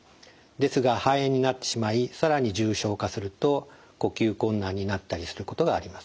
ですが肺炎になってしまい更に重症化すると呼吸困難になったりすることがあります。